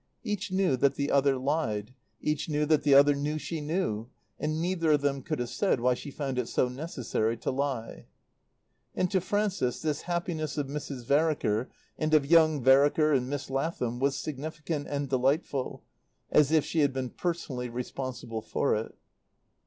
Each knew that the other lied; each knew that the other knew she knew; and neither of them could have said why she found it so necessary to lie. And to Frances this happiness of Mrs. Vereker, and of young Vereker and Miss Lathom was significant and delightful, as if she had been personally responsible for it.